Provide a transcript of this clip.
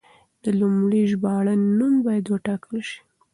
د لومړي ژباړن نوم باید ولیکل شي.